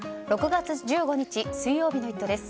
６月１５日、水曜日の「イット！」です。